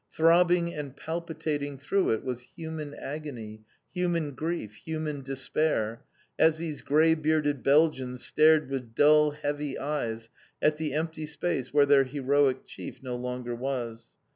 Throbbing and palpitating through it was human agony, human grief, human despair, as these grey bearded Belgians stared with dull heavy eyes at the empty space where their heroic chief no longer was.